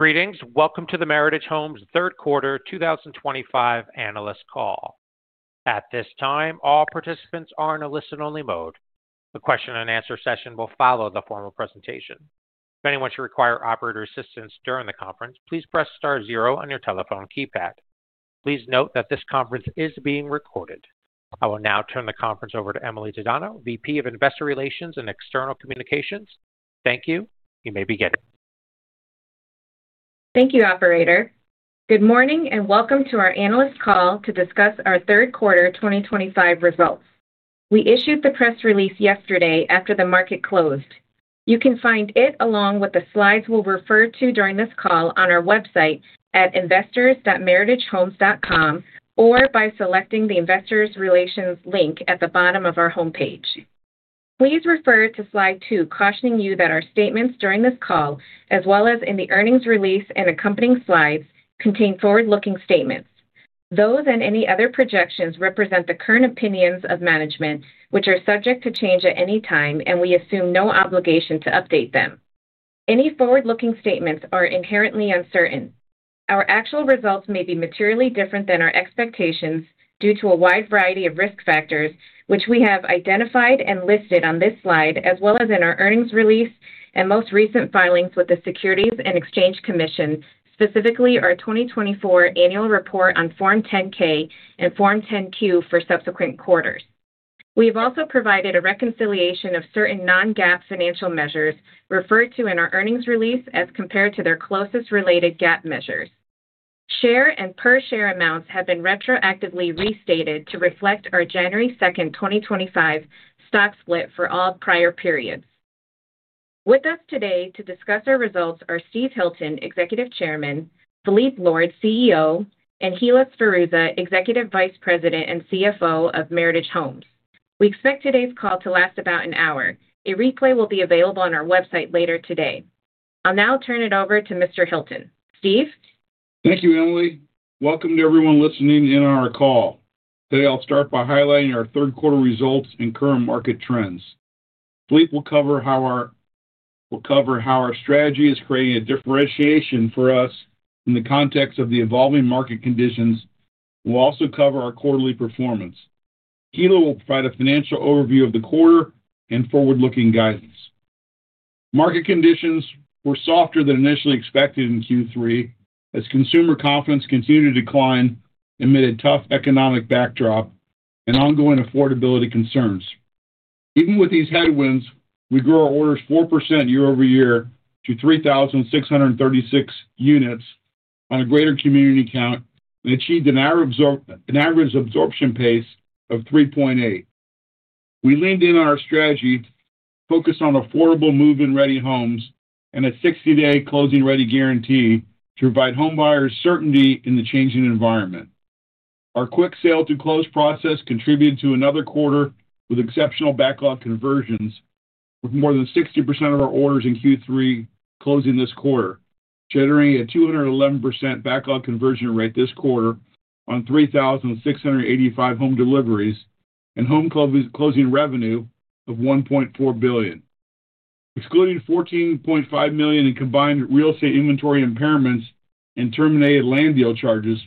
Greetings. Welcome to the Meritage Homes third quarter 2025 analyst call. At this time, all participants are in a listen-only mode. The question and answer session will follow the formal presentation. If anyone should require operator assistance during the conference, please press star zero on your telephone keypad. Please note that this conference is being recorded. I will now turn the conference over to Emily Tadano, VP of Investor Relations and External Communications. Thank you. You may begin. Thank you, Operator. Good morning and welcome to our analyst call to discuss our third quarter 2025 results. We issued the press release yesterday after the market closed. You can find it along with the slides we'll refer to during this call on our website at investors.meritagehomes.com or by selecting the Investor Relations link at the bottom of our homepage. Please refer to slide two cautioning you that our statements during this call, as well as in the earnings release and accompanying slides, contain forward-looking statements. Those and any other projections represent the current opinions of management, which are subject to change at any time, and we assume no obligation to update them. Any forward-looking statements are inherently uncertain. Our actual results may be materially different than our expectations due to a wide variety of risk factors, which we have identified and listed on this slide, as well as in our earnings release and most recent filings with the Securities and Exchange Commission, specifically our 2024 annual report on Form 10-K and Form 10-Q for subsequent quarters. We have also provided a reconciliation of certain non-GAAP financial measures referred to in our earnings release as compared to their closest related GAAP measures. Share and per-share amounts have been retroactively restated to reflect our January 2nd, 2025 stock split for all prior periods. With us today to discuss our results are Steve Hilton, Executive Chairman, Phillippe Lord, CEO, and Hilla Sferruzza, Executive Vice President and CFO of Meritage Homes. We expect today's call to last about an hour. A replay will be available on our website later today. I'll now turn it over to Mr. Hilton. Steve? Thank you, Emily. Welcome to everyone listening in on our call. Today, I'll start by highlighting our third quarter results and current market trends. Phillippe will cover how our strategy is creating a differentiation for us in the context of the evolving market conditions. We'll also cover our quarterly performance. Hilla will provide a financial overview of the quarter and forward-looking guidance. Market conditions were softer than initially expected in Q3 as consumer confidence continued to decline amid a tough economic backdrop and ongoing affordability concerns. Even with these headwinds, we grew our orders 4% year-over-year to 3,636 units on a greater community count and achieved an average absorption pace of 3.8. We leaned in on our strategy, focused on affordable move-in-ready homes and a 60-day closing-ready guarantee to provide home buyers certainty in the changing environment. Our quick sale-to-close process contributed to another quarter with exceptional backlog conversions, with more than 60% of our orders in Q3 closing this quarter, generating a 211% backlog conversion rate this quarter on 3,685 home deliveries and home closing revenue of $1.4 billion. Excluding $14.5 million in combined real estate inventory impairments and terminated land deal charges,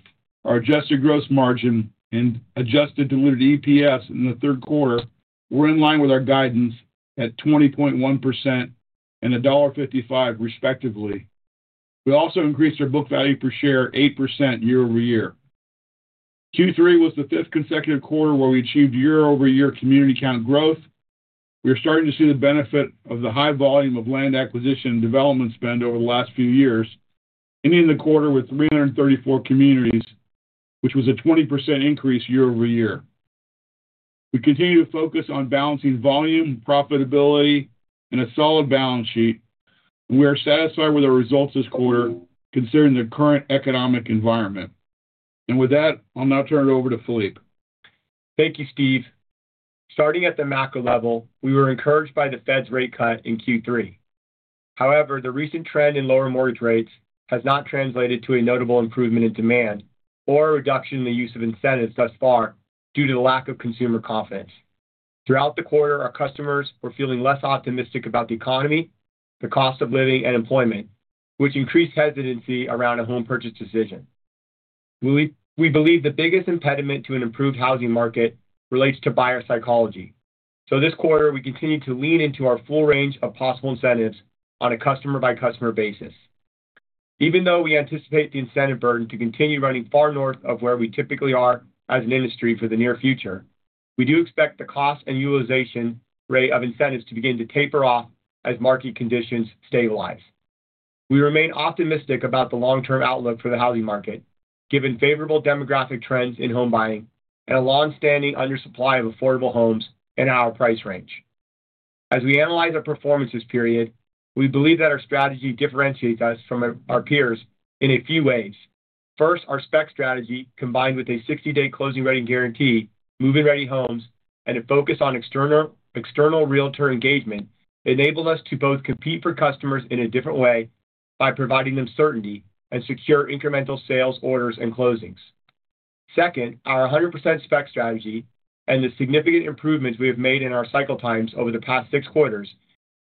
our adjusted gross margin and adjusted diluted EPS in the third quarter were in line with our guidance at 20.1% and $1.55, respectively. We also increased our book value per share 8% year-over-year. Q3 was the fifth consecutive quarter where we achieved year-over-year community count growth. We are starting to see the benefit of the high volume of land acquisition and development spend over the last few years, ending the quarter with 334 communities, which was a 20% increase year-over-year. We continue to focus on balancing volume, profitability, and a solid balance sheet. We are satisfied with our results this quarter considering the current economic environment. With that, I'll now turn it over to Phillippe. Thank you, Steve. Starting at the macro level, we were encouraged by the Fed's rate cut in Q3. However, the recent trend in lower mortgage rates has not translated to a notable improvement in demand or a reduction in the use of incentives thus far due to the lack of consumer confidence. Throughout the quarter, our customers were feeling less optimistic about the economy, the cost of living, and employment, which increased hesitancy around a home purchase decision. We believe the biggest impediment to an improved housing market relates to buyer psychology. This quarter, we continue to lean into our full range of possible incentives on a customer-by-customer basis. Even though we anticipate the incentive burden to continue running far north of where we typically are as an industry for the near future, we do expect the cost and utilization rate of incentives to begin to taper off as market conditions stabilize. We remain optimistic about the long-term outlook for the housing market, given favorable demographic trends in home buying and a longstanding undersupply of affordable homes in our price range. As we analyze our performance this period, we believe that our strategy differentiates us from our peers in a few ways. First, our spec strategy, combined with a 60-day closing rating guarantee, move-in-ready homes, and a focus on external realtor engagement, enabled us to both compete for customers in a different way by providing them certainty and secure incremental sales orders and closings. Second, our 100% spec strategy and the significant improvements we have made in our cycle times over the past six quarters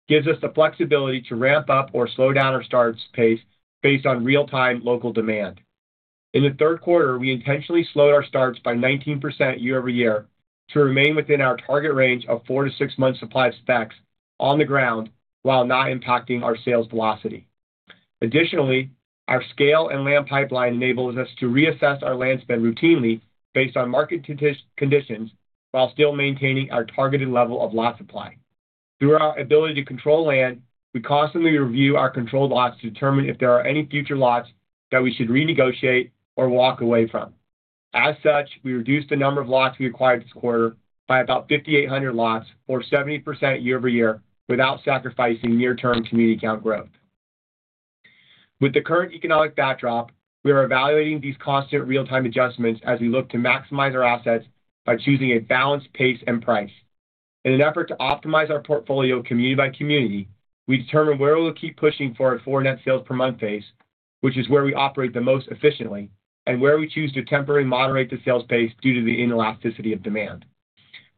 give us the flexibility to ramp up or slow down our starts pace based on real-time local demand. In the third quarter, we intentionally slowed our starts by 19% year-over-year to remain within our target range of four to six months' supply of specs on the ground while not impacting our sales velocity. Additionally, our scale and land pipeline enables us to reassess our land spend routinely based on market conditions while still maintaining our targeted level of lot supply. Through our ability to control land, we constantly review our controlled lots to determine if there are any future lots that we should renegotiate or walk away from. As such, we reduced the number of lots we acquired this quarter by about 5,800 lots or 70% year-over-year without sacrificing near-term community count growth. With the current economic backdrop, we are evaluating these constant real-time adjustments as we look to maximize our assets by choosing a balanced pace and price. In an effort to optimize our portfolio community by community, we determine where we'll keep pushing for a four net sales per month pace, which is where we operate the most efficiently, and where we choose to temporarily moderate the sales pace due to the inelasticity of demand.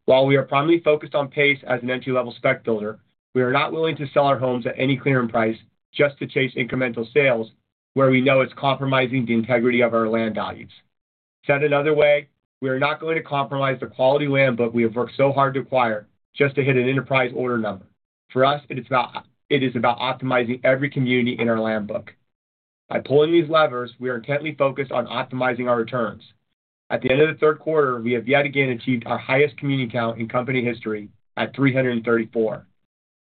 While we are primarily focused on pace as an entry-level spec builder, we are not willing to sell our homes at any clearer price just to chase incremental sales where we know it's compromising the integrity of our land values. Said another way, we are not going to compromise the quality land book we have worked so hard to acquire just to hit an enterprise order number. For us, it is about optimizing every community in our land book. By pulling these levers, we are intently focused on optimizing our returns. At the end of the third quarter, we have yet again achieved our highest community count in company history at 334.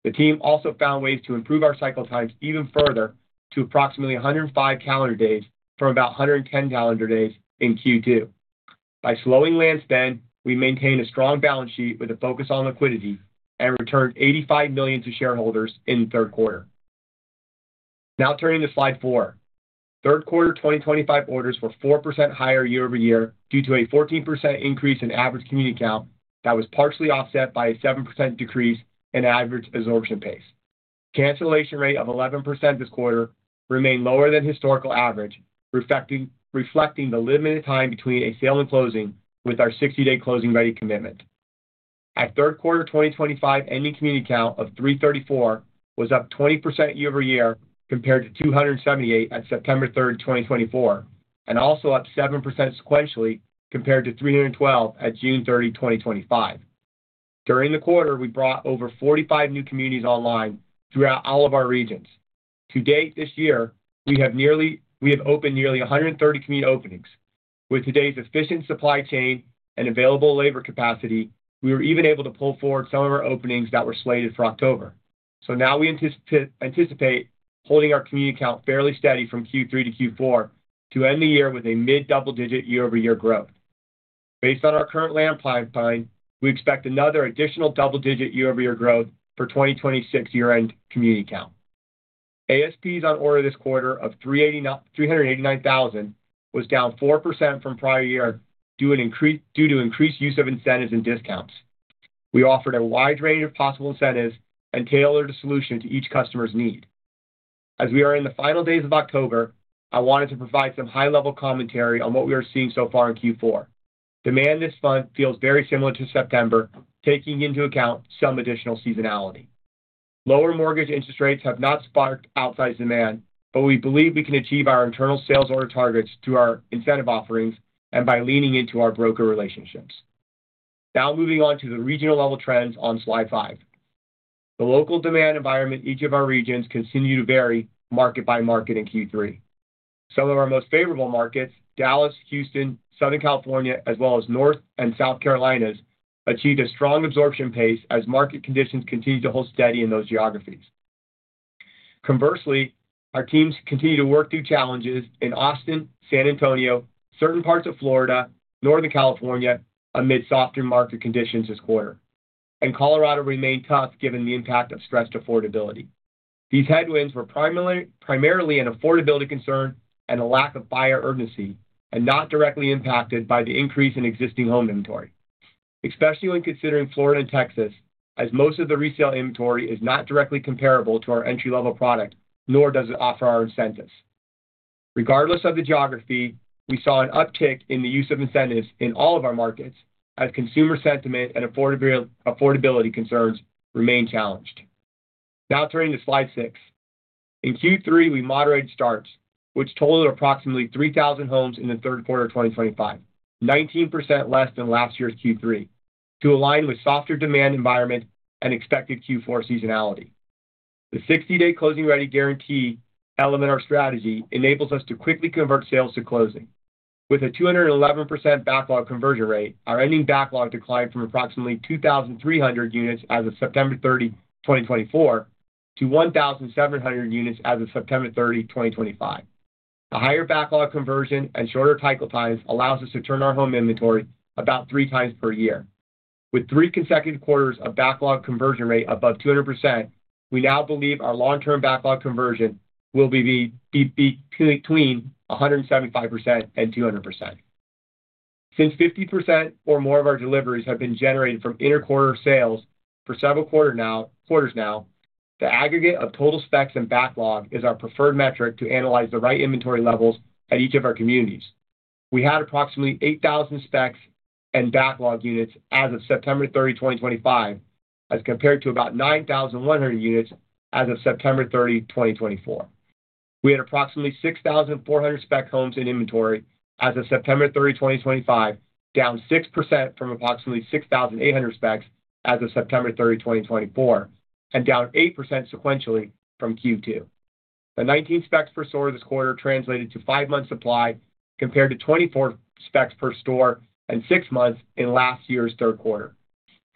The team also found ways to improve our cycle times even further to approximately 105 calendar days from about 110 calendar days in Q2. By slowing land spend, we maintain a strong balance sheet with a focus on liquidity and returned $85 million to shareholders in the third quarter. Now turning to slide four. Third quarter 2025 orders were 4% higher year-over-year due to a 14% increase in average community count that was partially offset by a 7% decrease in average absorption pace. Cancellation rate of 11% this quarter remained lower than historical average, reflecting the limited time between a sale and closing with our 60-day closing ready commitment. At third quarter 2025, ending community count of 334 was up 20% year-over-year compared to 278 at September 3rd, 2024, and also up 7% sequentially compared to 312 at June 30, 2025. During the quarter, we brought over 45 new communities online throughout all of our regions. To date this year, we have opened nearly 130 community openings. With today's efficient supply chain and available labor capacity, we were even able to pull forward some of our openings that were slated for October. We anticipate holding our community count fairly steady from Q3 to Q4 to end the year with a mid-double-digit year-over-year growth. Based on our current land pipeline, we expect another additional double-digit year-over-year growth for 2026 year-end community count. ASPs on order this quarter of $389,000 was down 4% from prior year due to increased use of incentives and discounts. We offered a wide range of possible incentives and tailored a solution to each customer's need. As we are in the final days of October, I wanted to provide some high-level commentary on what we are seeing so far in Q4. Demand this month feels very similar to September, taking into account some additional seasonality. Lower mortgage interest rates have not sparked outside demand, but we believe we can achieve our internal sales order targets through our incentive offerings and by leaning into our broker relationships. Now moving on to the regional level trends on slide five. The local demand environment in each of our regions continued to vary market by market in Q3. Some of our most favorable markets, Dallas, Houston, Southern California, as well as North and South Carolinas, achieved a strong absorption pace as market conditions continue to hold steady in those geographies. Conversely, our teams continue to work through challenges in Austin, San Antonio, certain parts of Florida, Northern California, amid softer market conditions this quarter. Colorado remained tough given the impact of stressed affordability. These headwinds were primarily an affordability concern and a lack of buyer urgency and not directly impacted by the increase in existing home inventory, especially when considering Florida and Texas, as most of the resale inventory is not directly comparable to our entry-level product, nor does it offer our incentives. Regardless of the geography, we saw an uptick in the use of incentives in all of our markets as consumer sentiment and affordability concerns remain challenged. Now turning to slide six. In Q3, we moderated starts, which totaled approximately 3,000 homes in the third quarter of 2025, 19% less than last year's Q3, to align with softer demand environment and expected Q4 seasonality. The 60-day closing ready guarantee element of our strategy enables us to quickly convert sales to closing. With a 211% backlog conversion rate, our ending backlog declined from approximately 2,300 units as of September 30, 2024 to 1,700 units as of September 30, 2025. A higher backlog conversion and shorter cycle times allow us to turn our home inventory about three times per year. With three consecutive quarters of backlog conversion rate above 200%, we now believe our long-term backlog conversion will be between 175% and 200%. Since 50% or more of our deliveries have been generated from interquarter sales for several quarters now, the aggregate of total specs and backlog is our preferred metric to analyze the right inventory levels at each of our communities. We had approximately 8,000 specs and backlog units as of September 30, 2025, as compared to about 9,100 units as of September 30, 2024. We had approximately 6,400 spec homes in inventory as of September 30, 2025, down 6% from approximately 6,800 specs as of September 30, 2024, and down 8% sequentially from Q2. The 19 specs per store this quarter translated to five months' supply, compared to 24 specs per store and six months in last year's third quarter.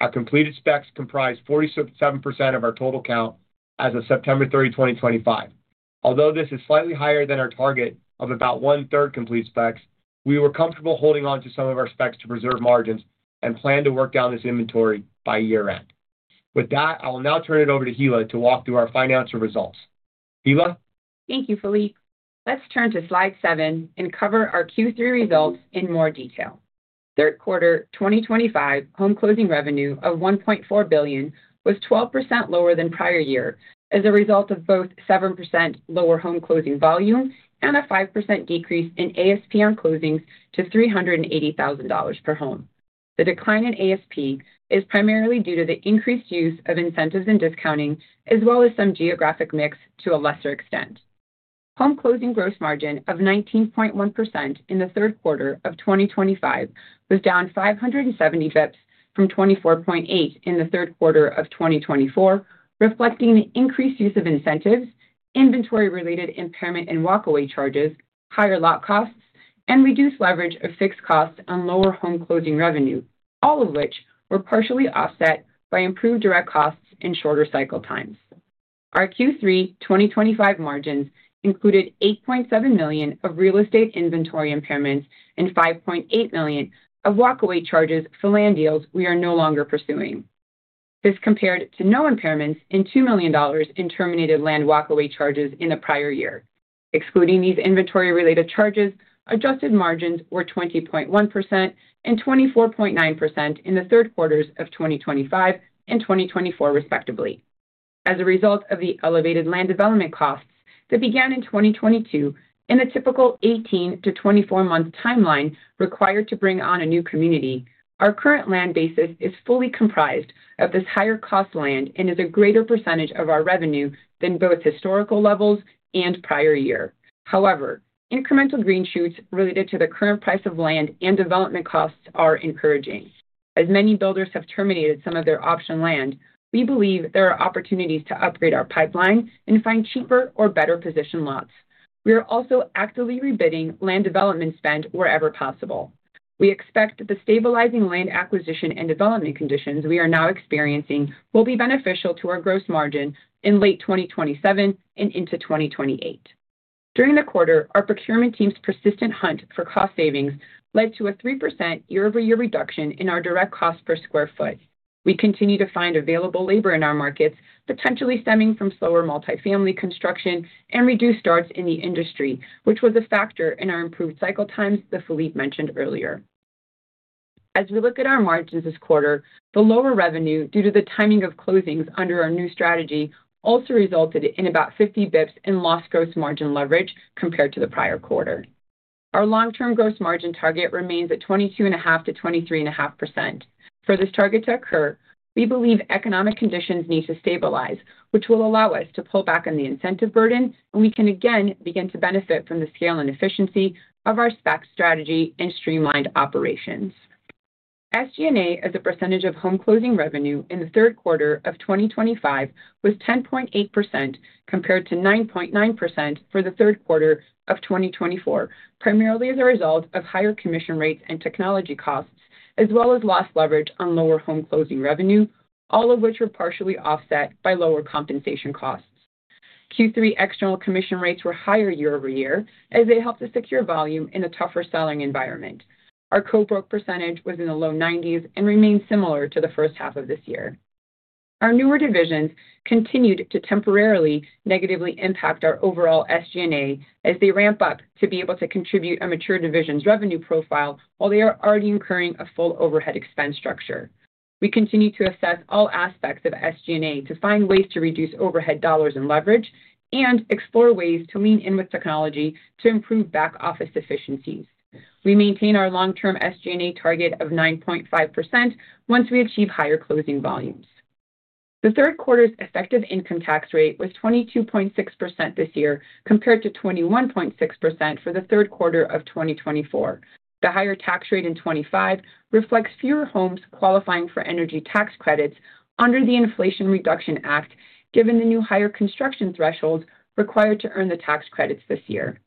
Our completed specs comprise 47% of our total count as of September 30, 2025. Although this is slightly higher than our target of about one-third complete specs, we were comfortable holding on to some of our specs to preserve margins and plan to work down this inventory by year-end. With that, I will now turn it over to Hilla to walk through our financial results. Hilla? Thank you, Phillippe. Let's turn to slide seven and cover our Q3 results in more detail. Third quarter 2025 home closing revenue of $1.4 billion was 12% lower than prior year as a result of both 7% lower home closing volume and a 5% decrease in ASP on closings to $380,000 per home. The decline in ASP is primarily due to the increased use of incentives and discounting, as well as some geographic mix to a lesser extent. Home closing gross margin of 19.1% in the third quarter of 2025 was down 570 basis points from 24.8% in the third quarter of 2024, reflecting the increased use of incentives, inventory-related impairment and walkaway charges, higher lot costs, and reduced leverage of fixed costs on lower home closing revenue, all of which were partially offset by improved direct costs and shorter cycle times. Our Q3 2025 margins included $8.7 million of real estate inventory impairments and $5.8 million of walkaway charges for land deals we are no longer pursuing. This compared to no impairments and $2 million in terminated land walkaway charges in the prior year. Excluding these inventory-related charges, adjusted margins were 20.1% and 24.9% in the third quarters of 2025 and 2024, respectively. As a result of the elevated land development costs that began in 2022 and the typical 18-24 month timeline required to bring on a new community, our current land basis is fully comprised of this higher-cost land and is a greater percentage of our revenue than both historical levels and prior year. However, incremental green shoots related to the current price of land and development costs are encouraging. As many builders have terminated some of their option land, we believe there are opportunities to upgrade our pipeline and find cheaper or better positioned lots. We are also actively rebidding land development spend wherever possible. We expect that the stabilizing land acquisition and development conditions we are now experiencing will be beneficial to our gross margin in late 2027 and into 2028. During the quarter, our procurement team's persistent hunt for cost savings led to a 3% year-over-year reduction in our direct cost per square foot. We continue to find available labor in our markets, potentially stemming from slower multifamily construction and reduced starts in the industry, which was a factor in our improved cycle times that Phillippe mentioned earlier. As we look at our margins this quarter, the lower revenue due to the timing of closings under our new strategy also resulted in about 50 bps in lost gross margin leverage compared to the prior quarter. Our long-term gross margin target remains at 22.5% to 23.5%. For this target to occur, we believe economic conditions need to stabilize, which will allow us to pull back on the incentive burden, and we can again begin to benefit from the scale and efficiency of our spec strategy and streamlined operations. SG&A as a percentage of home closing revenue in the third quarter of 2025 was 10.8% compared to 9.9% for the third quarter of 2024, primarily as a result of higher commission rates and technology costs, as well as lost leverage on lower home closing revenue, all of which were partially offset by lower compensation costs. Q3 external commission rates were higher year-over-year as they helped us secure volume in a tougher selling environment. Our co-broke percentage was in the low 90% and remained similar to the first half of this year. Our newer divisions continued to temporarily negatively impact our overall SG&A as they ramp up to be able to contribute a mature division's revenue profile while they are already incurring a full overhead expense structure. We continue to assess all aspects of SG&A to find ways to reduce overhead dollars and leverage and explore ways to lean in with technology to improve back office efficiencies. We maintain our long-term SG&A target of 9.5% once we achieve higher closing volumes. The third quarter's effective income tax rate was 22.6% this year compared to 21.6% for the third quarter of 2024. The higher tax rate in 2025 reflects fewer homes qualifying for energy tax credits under the Inflation Reduction Act, given the new higher construction thresholds required to earn the tax credits this year.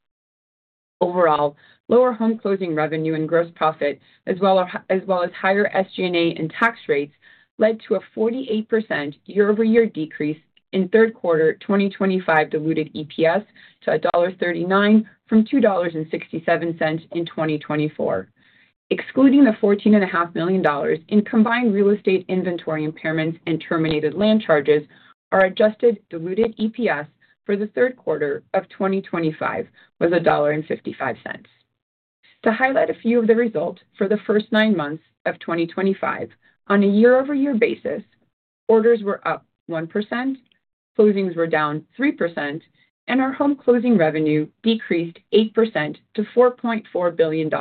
Overall, lower home closing revenue and gross profit, as well as higher SG&A and tax rates, led to a 48% year-over-year decrease in third quarter 2025 diluted EPS to $1.39 from $2.67 in 2024. Excluding the $14.5 million in combined real estate inventory impairments and terminated land charges, our adjusted diluted EPS for the third quarter of 2025 was $1.55. To highlight a few of the results for the first nine months of 2025, on a year-over-year basis, orders were up 1%, closings were down 3%, and our home closing revenue decreased 8% to $4.4 billion.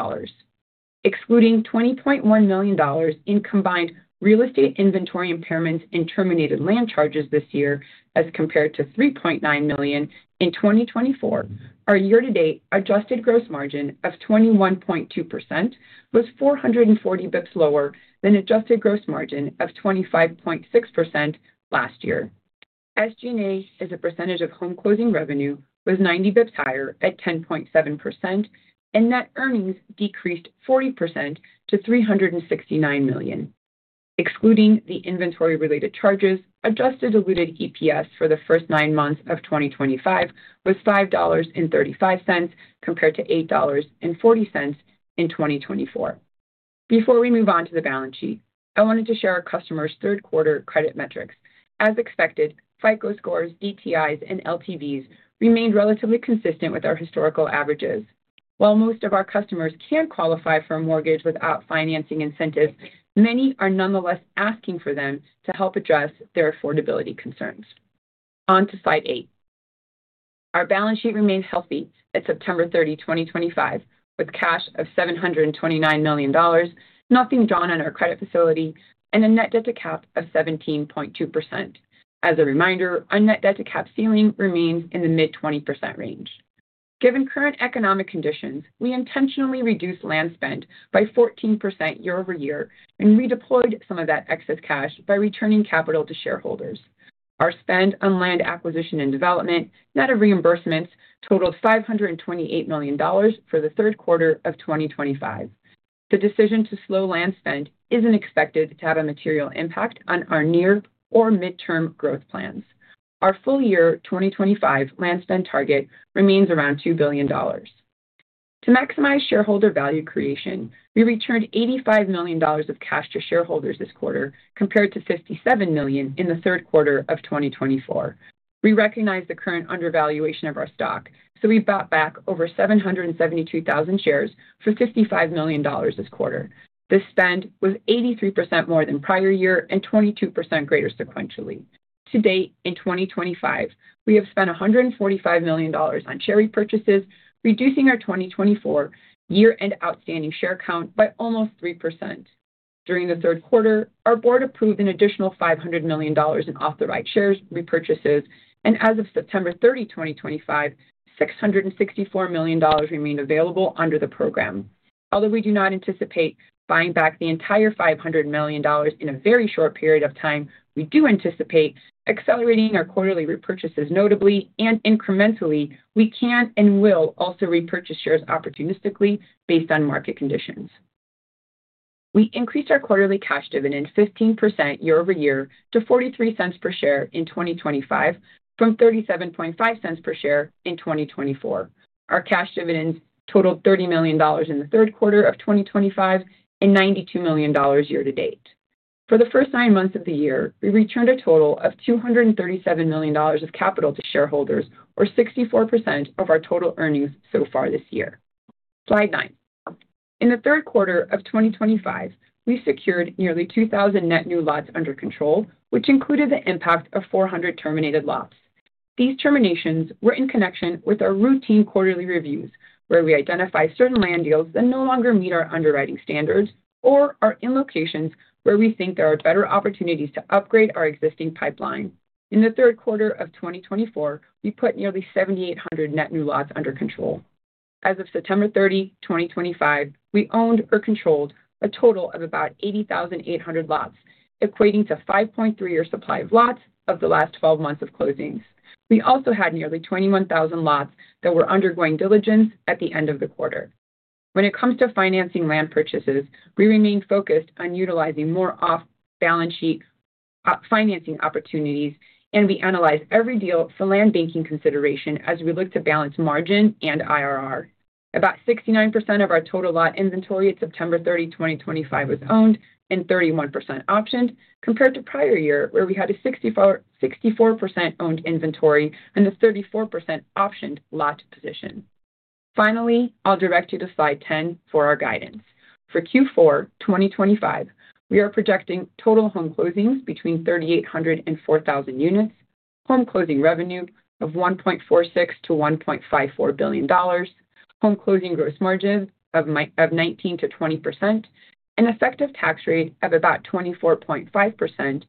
Excluding $20.1 million in combined real estate inventory impairments and terminated land charges this year as compared to $3.9 million in 2024, our year-to-date adjusted gross margin of 21.2% was 440 bps lower than adjusted gross margin of 25.6% last year. SG&A as a percentage of home closing revenue was 90 bps higher at 10.7%, and net earnings decreased 40% to $369 million. Excluding the inventory-related charges, adjusted diluted EPS for the first nine months of 2025 was $5.35 compared to $8.40 in 2024. Before we move on to the balance sheet, I wanted to share our customers' third quarter credit metrics. As expected, FICO scores, DTIs, and LTVs remained relatively consistent with our historical averages. While most of our customers can't qualify for a mortgage without financing incentives, many are nonetheless asking for them to help address their affordability concerns. On to slide eight. Our balance sheet remains healthy at September 30, 2025, with cash of $729 million, nothing drawn on our credit facility, and a net debt-to-capital ratio of 17.2%. As a reminder, our net debt-to-capital ratio ceiling remains in the mid-20% range. Given current economic conditions, we intentionally reduced land spend by 14% year-over-year and redeployed some of that excess cash by returning capital to shareholders. Our spend on land acquisition and development, net of reimbursements, totaled $528 million for the third quarter of 2025. The decision to slow land spend isn't expected to have a material impact on our near or midterm growth plans. Our full year 2025 land spend target remains around $2 billion. To maximize shareholder value creation, we returned $85 million of cash to shareholders this quarter compared to $57 million in the third quarter of 2024. We recognize the current undervaluation of our stock, so we bought back over 772,000 shares for $55 million this quarter. This spend was 83% more than prior year and 22% greater sequentially. To date, in 2025, we have spent $145 million on share repurchases, reducing our 2024 year-end outstanding share count by almost 3%. During the third quarter, our board approved an additional $500 million in authorized share repurchases, and as of September 30, 2025, $664 million remained available under the program. Although we do not anticipate buying back the entire $500 million in a very short period of time, we do anticipate accelerating our quarterly repurchases notably and incrementally. We can and will also repurchase shares opportunistically based on market conditions. We increased our quarterly cash dividend 15% year-over-year to $0.43 per share in 2025 from $37.50 per share in 2024. Our cash dividends totaled $30 million in the third quarter of 2025 and $92 million year-to-date. For the first nine months of the year, we returned a total of $237 million of capital to shareholders, or 64% of our total earnings so far this year. Slide nine. In the third quarter of 2025, we secured nearly 2,000 net new lots under control, which included the impact of 400 terminated lots. These terminations were in connection with our routine quarterly reviews where we identify certain land deals that no longer meet our underwriting standards or are in locations where we think there are better opportunities to upgrade our existing pipeline. In the third quarter of 2024, we put nearly 7,800 net new lots under control. As of September 30, 2025, we owned or controlled a total of about 80,800 lots, equating to 5.3 years' supply of lots off the last 12 months of closings. We also had nearly 21,000 lots that were undergoing diligence at the end of the quarter. When it comes to financing land purchases, we remain focused on utilizing more off-balance sheet financing opportunities, and we analyze every deal for land banking consideration as we look to balance margin and IRR. About 69% of our total lot inventory at September 30, 2025 was owned and 31% optioned compared to prior year where we had a 64% owned inventory and a 34% optioned lot position. Finally, I'll direct you to slide 10 for our guidance. For Q4 2025, we are projecting total home closings between 3,800 and 4,000 units, home closing revenue of $1.46 billion-$1.54 billion, home closing gross margins of 19% to 20%, an effective tax rate of about 24.5%,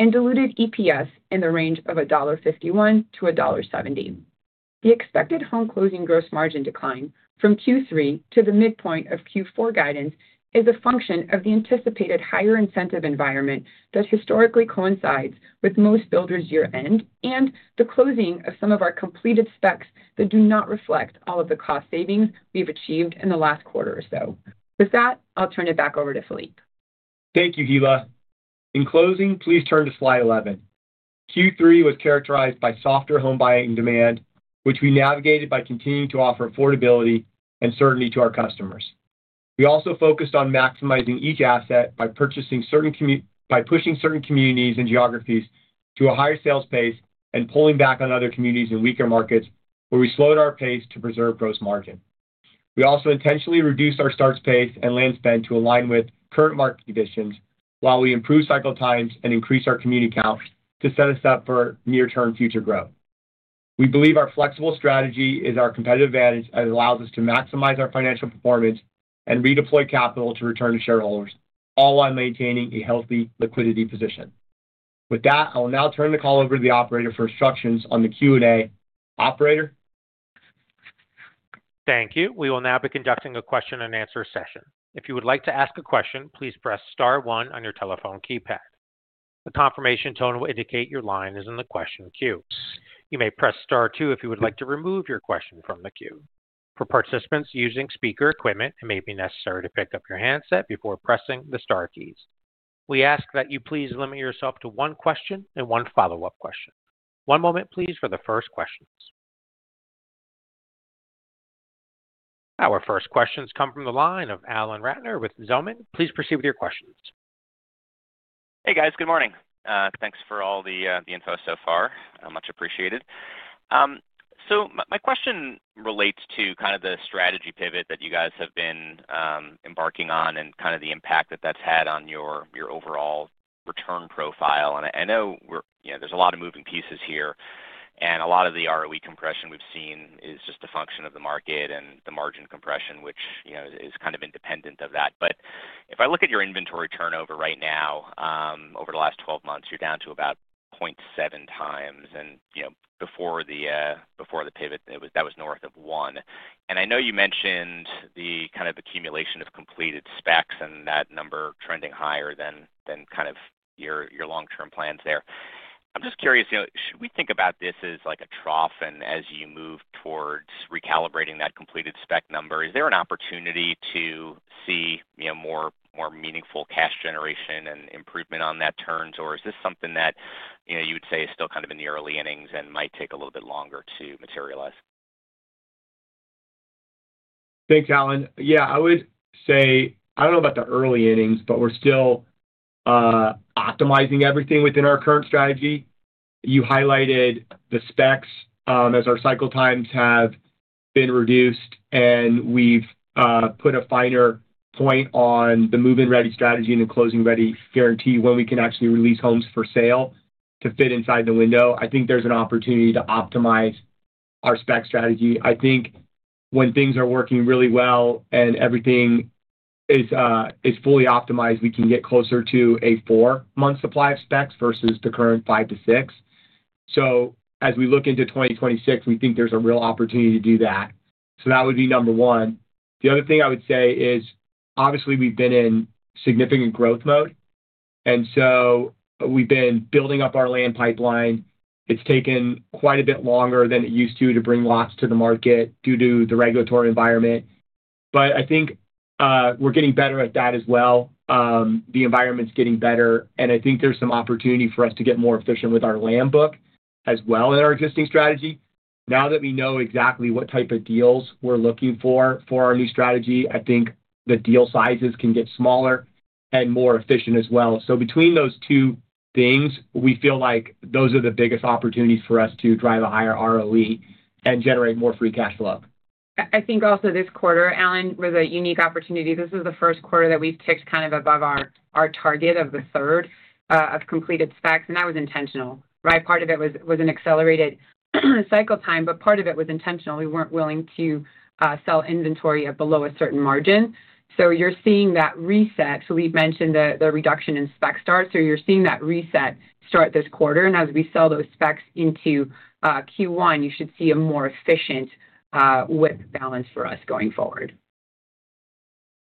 and diluted EPS in the range of $1.51-$1.70. The expected home closing gross margin decline from Q3 to the midpoint of Q4 guidance is a function of the anticipated higher incentive environment that historically coincides with most builders' year-end and the closing of some of our completed specs that do not reflect all of the cost savings we've achieved in the last quarter or so. With that, I'll turn it back over to Phillippe. Thank you, Hilla. In closing, please turn to slide 11. Q3 was characterized by softer home buying demand, which we navigated by continuing to offer affordability and certainty to our customers. We also focused on maximizing each asset by pushing certain communities and geographies to a higher sales pace and pulling back on other communities in weaker markets where we slowed our pace to preserve gross margin. We also intentionally reduced our starts pace and land spend to align with current market conditions while we improve cycle times and increase our community count to set us up for near-term future growth. We believe our flexible strategy is our competitive advantage and allows us to maximize our financial performance and redeploy capital to return to shareholders, all while maintaining a healthy liquidity position. With that, I will now turn the call over to the operator for instructions on the Q&A. Operator? Thank you. We will now be conducting a question and answer session. If you would like to ask a question, please press star one on your telephone keypad. The confirmation tone will indicate your line is in the question queue. You may press star two if you would like to remove your question from the queue. For participants using speaker equipment, it may be necessary to pick up your handset before pressing the star keys. We ask that you please limit yourself to one question and one follow-up question. One moment, please, for the first questions. Our first questions come from the line of Alan Ratner with Zelman. Please proceed with your questions. Hey, guys. Good morning. Thanks for all the info so far, much appreciated. My question relates to the strategy pivot that you guys have been embarking on and the impact that that's had on your overall return profile. I know there's a lot of moving pieces here, and a lot of the ROE compression we've seen is just a function of the market and the margin compression, which is kind of independent of that. If I look at your inventory turnover right now, over the last 12 months, you're down to about 0.7x. Before the pivot, it was north of one. I know you mentioned the accumulation of completed specs and that number trending higher than your long-term plans there. I'm just curious, should we think about this as a trough and as you move towards recalibrating that completed spec number? Is there an opportunity to see more meaningful cash generation and improvement on that turns? Or is this something that you would say is still in the early innings and might take a little bit longer to materialize? Thanks, Alan. Yeah, I would say I don't know about the early innings, but we're still optimizing everything within our current strategy. You highlighted the specs, as our cycle times have been reduced, and we've put a finer point on the move-in-ready strategy and the closing-ready guarantee when we can actually release homes for sale to fit inside the window. I think there's an opportunity to optimize our spec strategy. I think when things are working really well and everything is fully optimized, we can get closer to a four-month supply of specs versus the current five to six. As we look into 2026, we think there's a real opportunity to do that. That would be number one. The other thing I would say is, obviously, we've been in significant growth mode. We've been building up our land pipeline. It's taken quite a bit longer than it used to to bring lots to the market due to the regulatory environment. I think we're getting better at that as well. The environment's getting better, and I think there's some opportunity for us to get more efficient with our land book as well in our existing strategy. Now that we know exactly what type of deals we're looking for for our new strategy, I think the deal sizes can get smaller and more efficient as well. Between those two things, we feel like those are the biggest opportunities for us to drive a higher ROE and generate more free cash flow. I think also this quarter, Alan, was a unique opportunity. This is the first quarter that we've ticked kind of above our target of the third of completed specs, and that was intentional, right? Part of it was an accelerated cycle time, but part of it was intentional. We weren't willing to sell inventory at below a certain margin. You're seeing that reset. Phillippe mentioned the reduction in spec starts, so you're seeing that reset start this quarter. As we sell those specs into Q1, you should see a more efficient width balance for us going forward.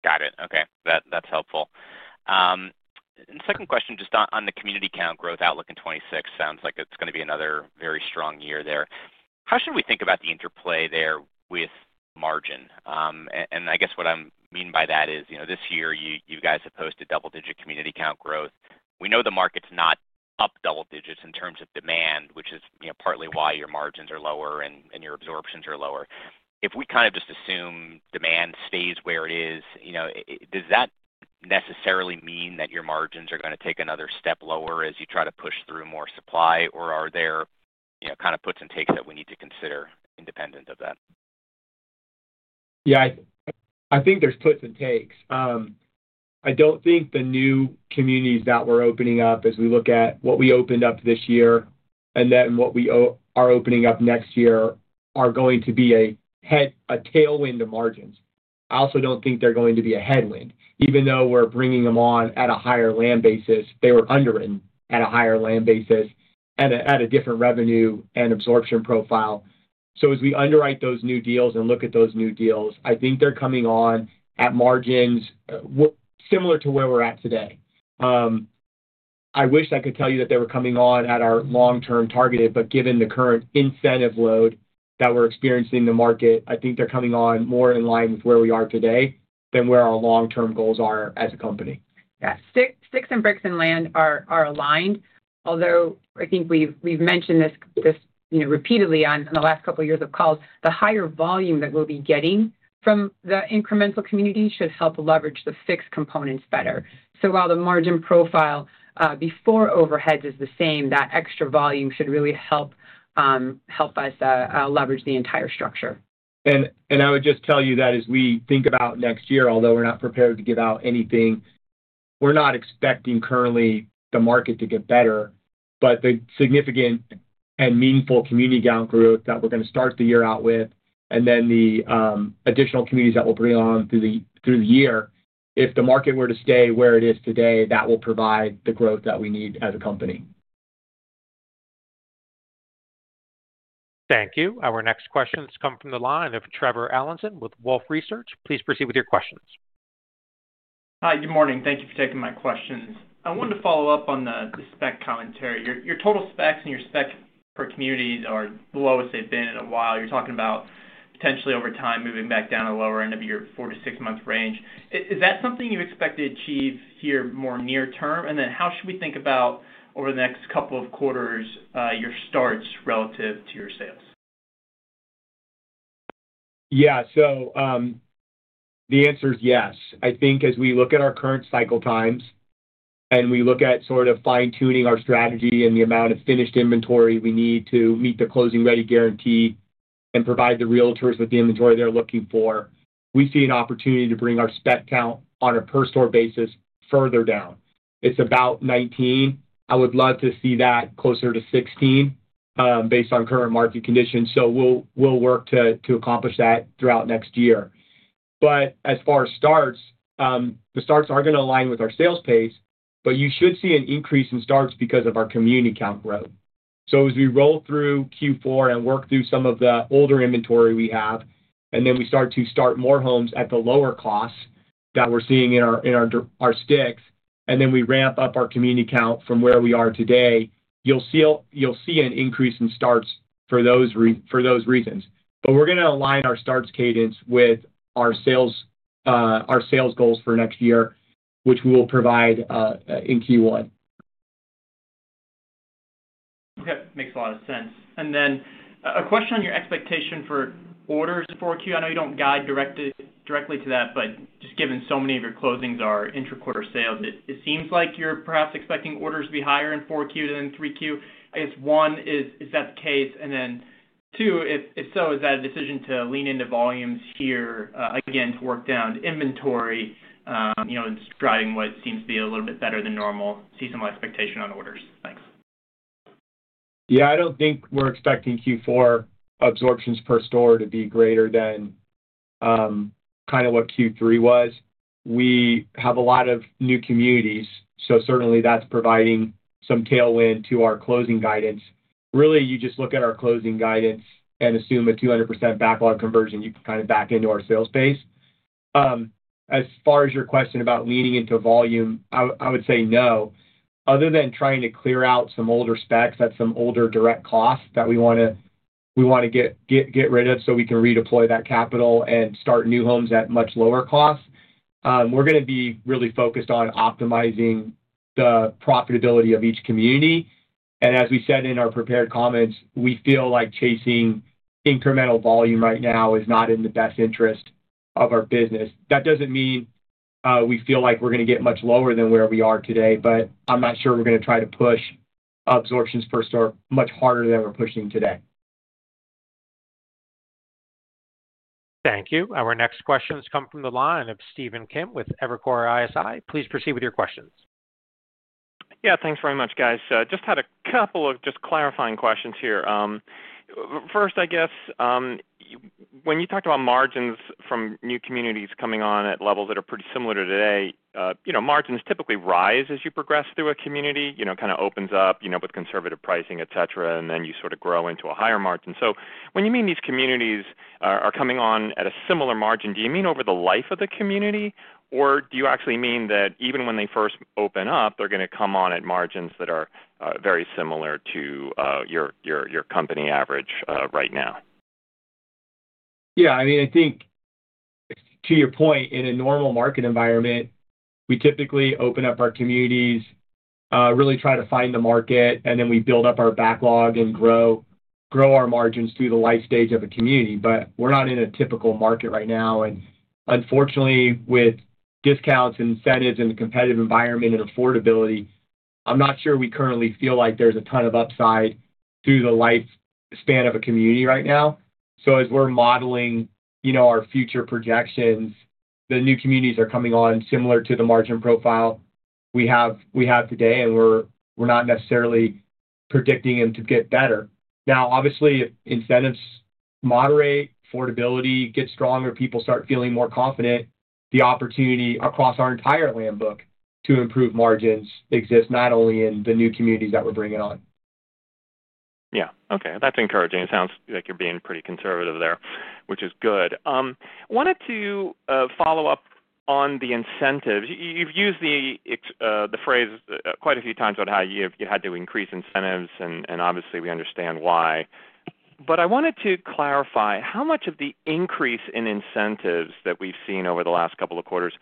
Got it. Okay. That's helpful. Second question, just on the community count growth outlook in 2026, sounds like it's going to be another very strong year there. How should we think about the interplay there with margin? I guess what I mean by that is, you know, this year, you guys have posted double-digit community count growth. We know the market's not up double digits in terms of demand, which is, you know, partly why your margins are lower and your absorptions are lower. If we kind of just assume demand stays where it is, you know, does that necessarily mean that your margins are going to take another step lower as you try to push through more supply? Or are there, you know, kind of puts and takes that we need to consider independent of that? Yeah, I think there's puts and takes. I don't think the new communities that we're opening up as we look at what we opened up this year and then what we are opening up next year are going to be a tailwind to margins. I also don't think they're going to be a headwind. Even though we're bringing them on at a higher land basis, they were underwritten at a higher land basis and at a different revenue and absorption profile. As we underwrite those new deals and look at those new deals, I think they're coming on at margins similar to where we're at today. I wish I could tell you that they were coming on at our long-term targeted, but given the current incentive load that we're experiencing in the market, I think they're coming on more in line with where we are today than where our long-term goals are as a company. Yeah, sticks and bricks and land are aligned. Although I think we've mentioned this repeatedly on the last couple of years of calls, the higher volume that we'll be getting from the incremental community should help leverage the fixed components better. While the margin profile before overheads is the same, that extra volume should really help us leverage the entire structure. I would just tell you that as we think about next year, although we're not prepared to give out anything, we're not expecting currently the market to get better. The significant and meaningful community count growth that we're going to start the year out with, and then the additional communities that we'll bring on through the year, if the market were to stay where it is today, that will provide the growth that we need as a company. Thank you. Our next questions come from the line of Trevor Allinson with Wolfe Research. Please proceed with your questions. Hi, good morning. Thank you for taking my questions. I wanted to follow up on the spec commentary. Your total specs and your spec for communities are the lowest they've been in a while. You're talking about potentially over time moving back down to the lower end of your four to six-month range. Is that something you expect to achieve here more near term? How should we think about over the next couple of quarters, your starts relative to your sales? Yeah, so the answer is yes. I think as we look at our current cycle times and we look at sort of fine-tuning our strategy and the amount of finished inventory we need to meet the closing ready guarantee and provide the realtors with the inventory they're looking for, we see an opportunity to bring our spec count on a per-store basis further down. It's about 19. I would love to see that closer to 16, based on current market conditions. We'll work to accomplish that throughout next year. As far as starts, the starts are going to align with our sales pace, but you should see an increase in starts because of our community count growth. As we roll through Q4 and work through some of the older inventory we have, and then we start to start more homes at the lower cost that we're seeing in our sticks, and then we ramp up our community count from where we are today, you'll see an increase in starts for those reasons. We're going to align our starts cadence with our sales, our sales goals for next year, which we will provide in Q1. That makes a lot of sense. A question on your expectation for orders in 4Q. I know you don't guide directly to that, but just given so many of your closings are intra-quarter sales, it seems like you're perhaps expecting orders to be higher in 4Q than 3Q. I guess one is, is that the case? If so, is that a decision to lean into volumes here, again, to work down inventory, and striving what seems to be a little bit better than normal seasonal expectation on orders? Thanks. Yeah, I don't think we're expecting Q4 absorptions per store to be greater than what Q3 was. We have a lot of new communities, so certainly that's providing some tailwind to our closing guidance. Really, you just look at our closing guidance and assume a 200% backlog conversion. You can kind of back into our sales pace. As far as your question about leaning into volume, I would say no. Other than trying to clear out some older specs at some older direct costs that we want to get rid of so we can redeploy that capital and start new homes at much lower costs, we're going to be really focused on optimizing the profitability of each community. As we said in our prepared comments, we feel like chasing incremental volume right now is not in the best interest of our business. That doesn't mean we feel like we're going to get much lower than where we are today, but I'm not sure we're going to try to push absorptions per store much harder than we're pushing today. Thank you. Our next questions come from the line of Stephen Kim with Evercore ISI. Please proceed with your questions. Yeah, thanks very much, guys. Just had a couple of clarifying questions here. First, I guess, when you talked about margins from new communities coming on at levels that are pretty similar to today, you know, margins typically rise as you progress through a community, you know, kind of opens up with conservative pricing, etc., and then you sort of grow into a higher margin. When you mean these communities are coming on at a similar margin, do you mean over the life of the community, or do you actually mean that even when they first open up, they're going to come on at margins that are very similar to your company average right now? Yeah, I mean, I think to your point, in a normal market environment, we typically open up our communities, really try to find the market, and then we build up our backlog and grow our margins through the life stage of a community. We're not in a typical market right now. Unfortunately, with discounts, incentives, and the competitive environment and affordability, I'm not sure we currently feel like there's a ton of upside through the lifespan of a community right now. As we're modeling our future projections, the new communities are coming on similar to the margin profile we have today, and we're not necessarily predicting them to get better. Obviously, if incentives moderate, affordability gets stronger, people start feeling more confident, the opportunity across our entire land book to improve margins exists not only in the new communities that we're bringing on. Yeah. Okay. That's encouraging. It sounds like you're being pretty conservative there, which is good. I wanted to follow up on the incentives. You've used the phrase quite a few times about how you've had to increase incentives, and obviously, we understand why. I wanted to clarify how much of the increase in incentives that we've seen over the last couple of quarters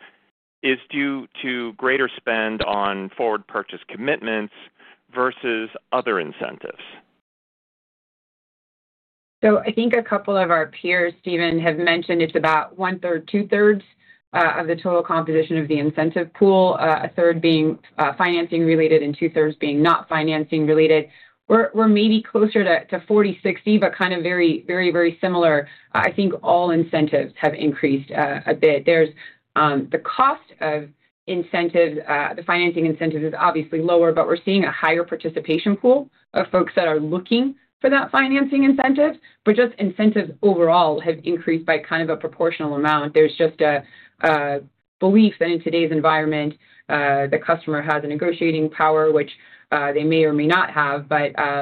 is due to greater spend on forward purchase commitments versus other incentives? I think a couple of our peers, Stephen, have mentioned it's about one-third, two-thirds of the total composition of the incentive pool, 1/3 being financing-related and 2/3 being not financing-related. We're maybe closer to 40/60, but kind of very, very, very similar. I think all incentives have increased a bit. There's the cost of incentives, the financing incentives is obviously lower, but we're seeing a higher participation pool of folks that are looking for that financing incentive. Just incentives overall have increased by kind of a proportional amount. There's just a belief that in today's environment, the customer has a negotiating power, which they may or may not have.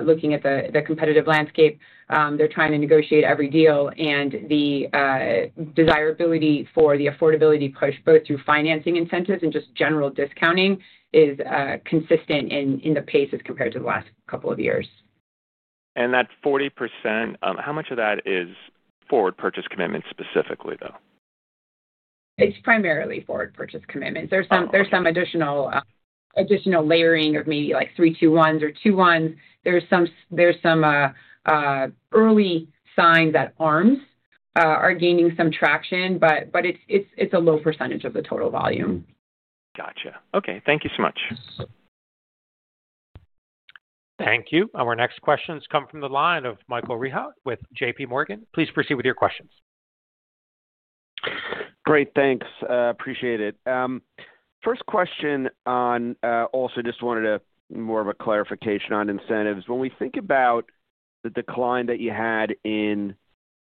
Looking at the competitive landscape, they're trying to negotiate every deal. The desirability for the affordability push, both through financing incentives and just general discounting, is consistent in the pace as compared to the last couple of years. That 40%, how much of that is forward purchase commitments specifically, though? It's primarily forward purchase commitments. There's some additional layering of maybe like 3/2/1s or 2/1s. There's some early signs that ARMs are gaining some traction, but it's a low % of the total volume. Gotcha. Okay. Thank you so much. Thank you. Our next questions come from the line of Michael Rehaut with JPMorgan. Please proceed with your questions. Great. Thanks. Appreciate it. First question, also just wanted more of a clarification on incentives. When we think about the decline that you had in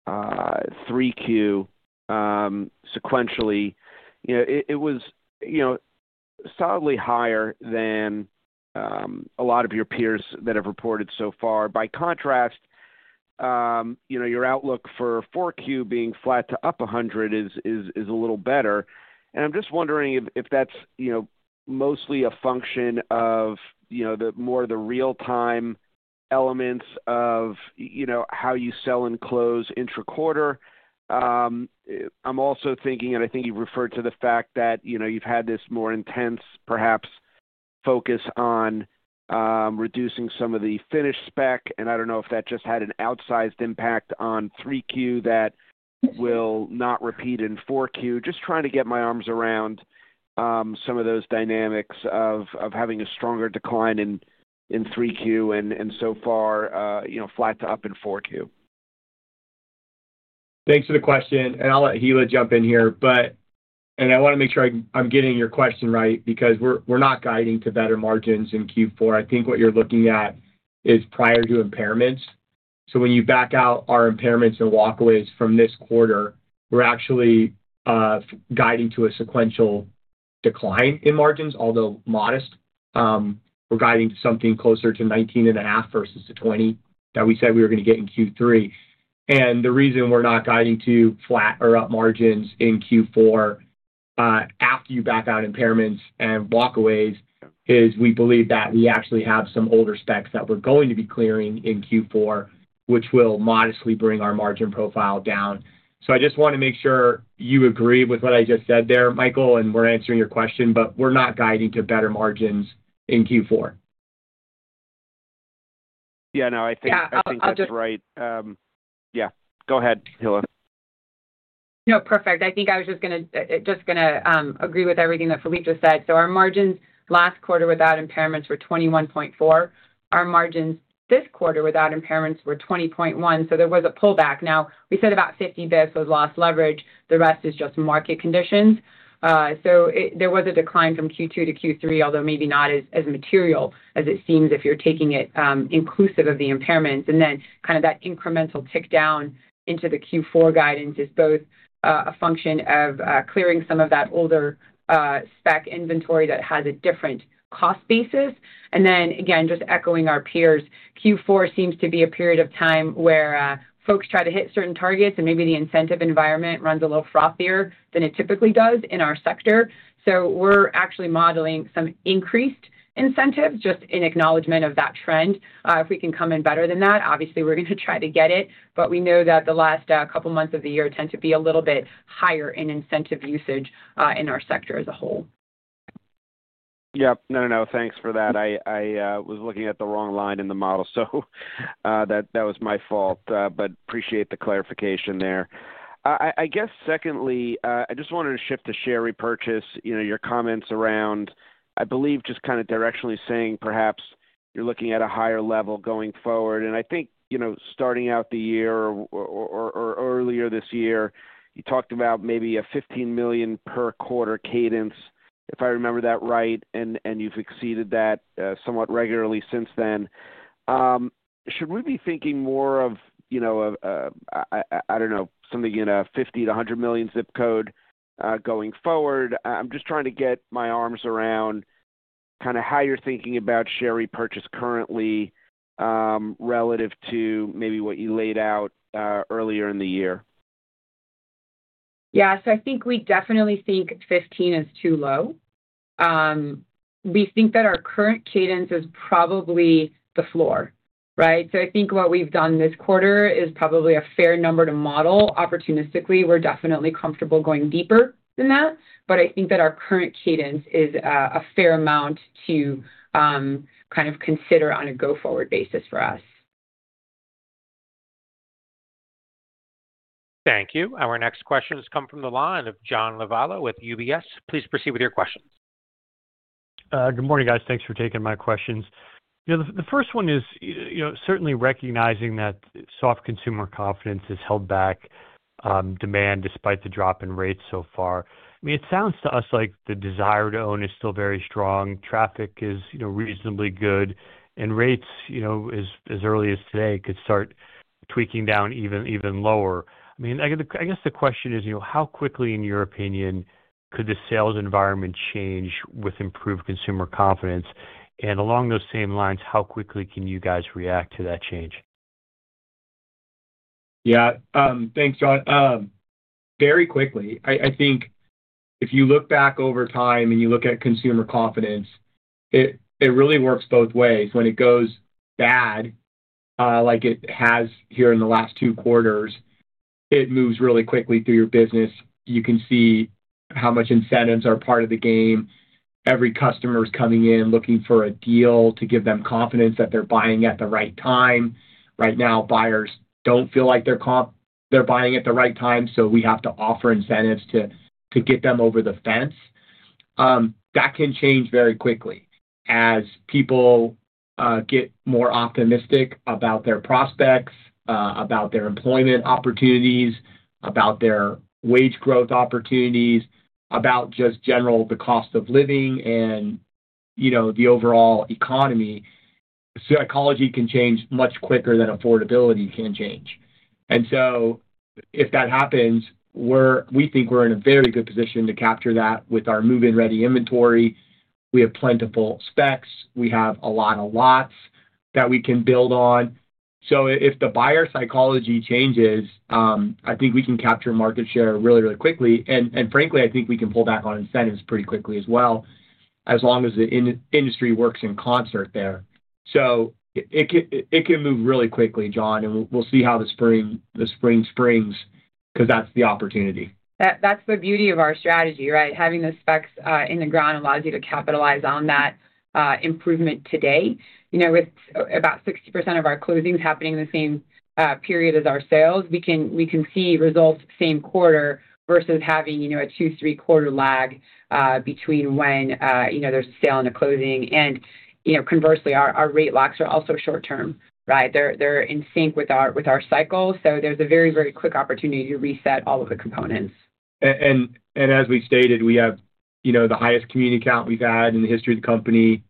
3Q sequentially, it was solidly higher than a lot of your peers that have reported so far. By contrast, your outlook for 4Q being flat to up 100 is a little better. I'm just wondering if that's mostly a function of the more of the real-time elements of how you sell and close intra-quarter. I'm also thinking, and I think you've referred to the fact that you've had this more intense, perhaps, focus on reducing some of the finished spec. I don't know if that just had an outsized impact on 3Q that will not repeat in 4Q. Just trying to get my arms around some of those dynamics of having a stronger decline in 3Q and so far, flat to up in 4Q. Thanks for the question. I'll let Hilla jump in here. I want to make sure I'm getting your question right because we're not guiding to better margins in Q4. I think what you're looking at is prior to impairments. When you back out our impairments and walkaways from this quarter, we're actually guiding to a sequential decline in margins, although modest. We're guiding to something closer to 19.5% versus the 20% that we said we were going to get in Q3. The reason we're not guiding to flat or up margins in Q4, after you back out impairments and walkaways, is we believe that we actually have some older specs that we're going to be clearing in Q4, which will modestly bring our margin profile down. I just want to make sure you agree with what I just said there, Michael, and we're answering your question, but we're not guiding to better margins in Q4. Yeah, I think that's right. Go ahead, Hilla. Perfect. I think I was just going to agree with everything that Phillippe just said. Our margins last quarter without impairments were 21.4%. Our margins this quarter without impairments were 20.1%. There was a pullback. We said about 50 bps was lost leverage. The rest is just market conditions. There was a decline from Q2 to Q3, although maybe not as material as it seems if you're taking it inclusive of the impairments. That incremental tick down into the Q4 guidance is both a function of clearing some of that older spec inventory that has a different cost basis. Again, just echoing our peers, Q4 seems to be a period of time where folks try to hit certain targets, and maybe the incentive environment runs a little frothier than it typically does in our sector. We're actually modeling some increased incentives just in acknowledgement of that trend. If we can come in better than that, obviously, we're going to try to get it. We know that the last couple of months of the year tend to be a little bit higher in incentive usage in our sector as a whole. Yeah. No, no, no. Thanks for that. I was looking at the wrong line in the model. That was my fault. I appreciate the clarification there. I guess, secondly, I just wanted to shift to share repurchase, you know, your comments around, I believe, just kind of directionally saying perhaps you're looking at a higher level going forward. I think, you know, starting out the year or earlier this year, you talked about maybe a $15 million per quarter cadence, if I remember that right. You've exceeded that somewhat regularly since then. Should we be thinking more of, you know, I don't know, something in a $50 million-$100 million zip code, going forward? I'm just trying to get my arms around kind of how you're thinking about share repurchase currently, relative to maybe what you laid out earlier in the year. Yeah, we definitely think $15 million is too low. We think that our current cadence is probably the floor, right? I think what we've done this quarter is probably a fair number to model. Opportunistically, we're definitely comfortable going deeper than that. I think that our current cadence is a fair amount to consider on a go-forward basis for us. Thank you. Our next questions come from the line of John Lovallo with UBS. Please proceed with your questions. Good morning, guys. Thanks for taking my questions. The first one is, certainly recognizing that soft consumer confidence has held back demand despite the drop in rates so far. It sounds to us like the desire to own is still very strong. Traffic is reasonably good. Rates, as early as today, could start tweaking down even lower. I guess the question is, how quickly, in your opinion, could the sales environment change with improved consumer confidence? Along those same lines, how quickly can you guys react to that change? Yeah. Thanks, John. Very quickly, I think if you look back over time and you look at consumer confidence, it really works both ways. When it goes bad, like it has here in the last two quarters, it moves really quickly through your business. You can see how much incentives are part of the game. Every customer is coming in looking for a deal to give them confidence that they're buying at the right time. Right now, buyers don't feel like they're buying at the right time, so we have to offer incentives to get them over the fence. That can change very quickly as people get more optimistic about their prospects, about their employment opportunities, about their wage growth opportunities, about just general the cost of living and, you know, the overall economy. Psychology can change much quicker than affordability can change. If that happens, we think we're in a very good position to capture that with our move-in-ready inventory. We have plentiful specs. We have a lot of lots that we can build on. If the buyer psychology changes, I think we can capture market share really, really quickly. Frankly, I think we can pull back on incentives pretty quickly as well, as long as the industry works in concert there. It can move really quickly, John, and we'll see how the spring springs because that's the opportunity. That's the beauty of our strategy, right? Having the specs in the ground allows you to capitalize on that improvement today. With about 60% of our closings happening in the same period as our sales, we can see results same quarter versus having a two, three-quarter lag between when there's a sale and a closing. Conversely, our rate locks are also short-term, right? They're in sync with our cycle. There's a very, very quick opportunity to reset all of the components. As we stated, we have the highest community count we've had in the history of the company.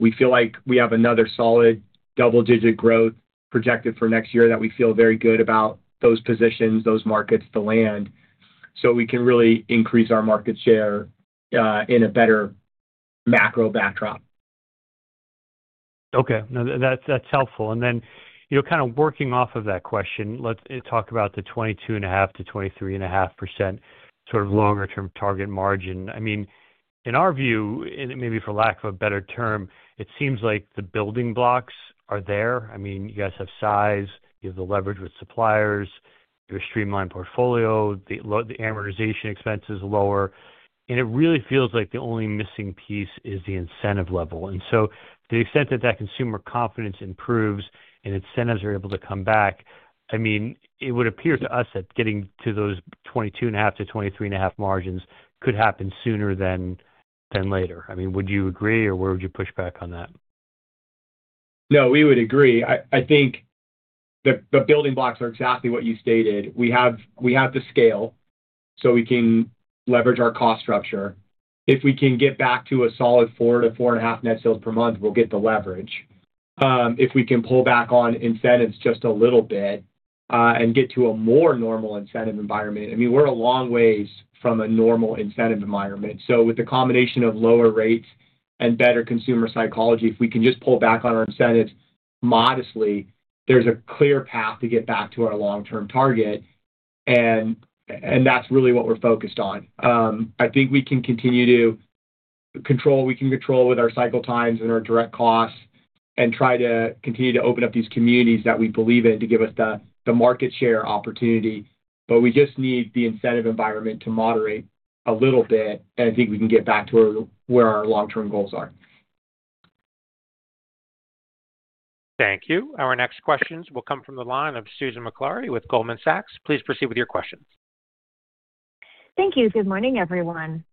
We feel like we have another solid double-digit growth projected for next year. We feel very good about those positions, those markets, the land. We can really increase our market share in a better macro backdrop. Okay. No, that's helpful. You know, kind of working off of that question, let's talk about the 22.5%-23.5% sort of longer-term target margin. I mean, in our view, and maybe for lack of a better term, it seems like the building blocks are there. You guys have size, you have the leverage with suppliers, you have a streamlined portfolio, the amortization expense is lower. It really feels like the only missing piece is the incentive level. To the extent that consumer confidence improves and incentives are able to come back, it would appear to us that getting to those 22.5%-23.5% margins could happen sooner than later. Would you agree, or where would you push back on that? No, we would agree. I think the building blocks are exactly what you stated. We have to scale so we can leverage our cost structure. If we can get back to a solid 4-4.5 net sales per month, we'll get the leverage. If we can pull back on incentives just a little bit, and get to a more normal incentive environment, I mean, we're a long ways from a normal incentive environment. With the combination of lower rates and better consumer psychology, if we can just pull back on our incentives modestly, there's a clear path to get back to our long-term target. That's really what we're focused on. I think we can continue to control what we can control with our cycle times and our direct costs and try to continue to open up these communities that we believe in to give us the market share opportunity. We just need the incentive environment to moderate a little bit, and I think we can get back to where our long-term goals are. Thank you. Our next questions will come from the line of Susan Maklari with Goldman Sachs. Please proceed with your questions. Thank you. Good morning, everyone.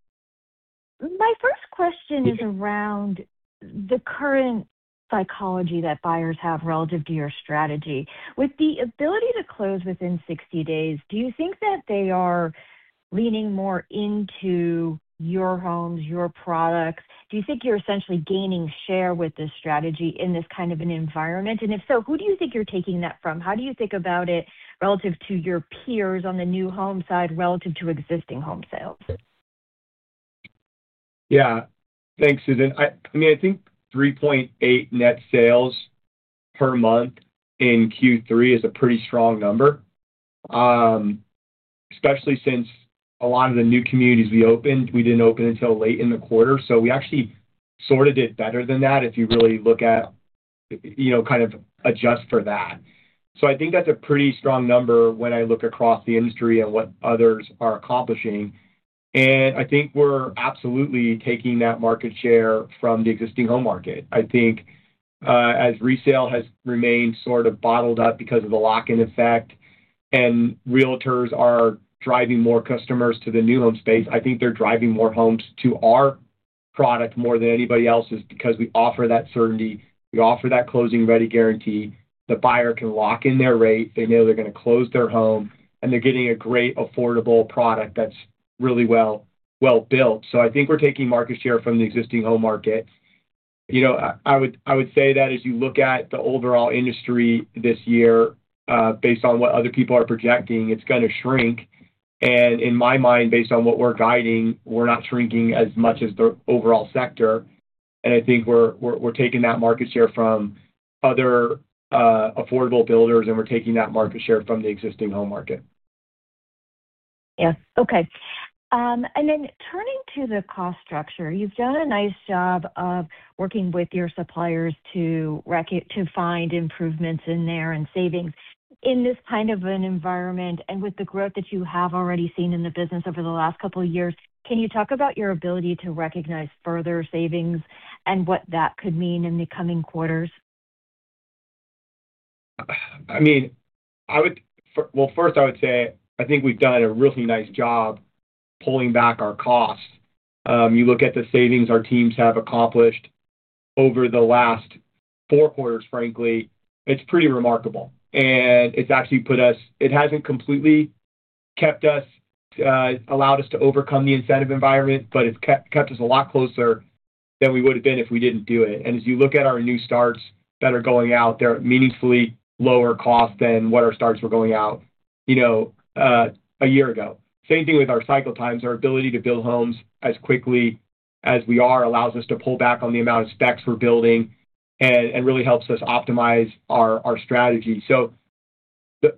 My first question is around the current psychology that buyers have relative to your strategy. With the ability to close within 60 days, do you think that they are leaning more into your homes, your products? Do you think you're essentially gaining share with this strategy in this kind of an environment? If so, who do you think you're taking that from? How do you think about it relative to your peers on the new home side relative to existing home sales? Yeah. Thanks, Susan. I mean, I think 3.8 net sales per month in Q3 is a pretty strong number, especially since a lot of the new communities we opened, we didn't open until late in the quarter. We actually sorted it better than that if you really look at, you know, kind of adjust for that. I think that's a pretty strong number when I look across the industry and what others are accomplishing. I think we're absolutely taking that market share from the existing home market. As resale has remained sort of bottled up because of the lock-in effect and realtors are driving more customers to the new home space, I think they're driving more homes to our product more than anybody else's because we offer that certainty. We offer that closing-ready guarantee. The buyer can lock in their rate. They know they're going to close their home, and they're getting a great, affordable product that's really well-built. I think we're taking market share from the existing home market. I would say that as you look at the overall industry this year, based on what other people are projecting, it's going to shrink. In my mind, based on what we're guiding, we're not shrinking as much as the overall sector. I think we're taking that market share from other, affordable builders, and we're taking that market share from the existing home market. Yes. Okay. Turning to the cost structure, you've done a nice job of working with your suppliers to find improvements in there and savings. In this kind of an environment and with the growth that you have already seen in the business over the last couple of years, can you talk about your ability to recognize further savings and what that could mean in the coming quarters? I mean, first, I would say I think we've done a really nice job pulling back our costs. You look at the savings our teams have accomplished over the last four quarters, frankly, it's pretty remarkable. It's actually put us, it hasn't completely kept us, allowed us to overcome the incentive environment, but it's kept us a lot closer than we would have been if we didn't do it. As you look at our new starts that are going out, they're at meaningfully lower costs than what our starts were going out a year ago. Same thing with our cycle times. Our ability to build homes as quickly as we are allows us to pull back on the amount of specs we're building and really helps us optimize our strategy.